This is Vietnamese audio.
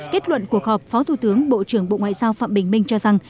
kết luận cuộc họp phó thủ tướng bộ trưởng bộ ngoại giao phạm bình minh cho rằng